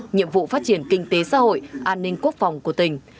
nhiệm vụ phát triển kinh tế xã hội an ninh quốc phòng của tỉnh